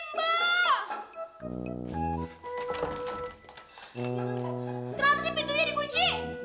kenapa sih pintunya dikunci